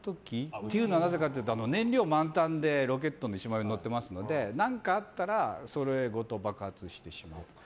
っていうのはなぜかというと燃料が満タンでロケットの一番上に乗ってますので何かあったらそれごと爆発してしまう。